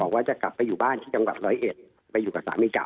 ว่าจะกลับไปอยู่บ้านที่จังหวัดร้อยเอ็ดไปอยู่กับสามีเก่า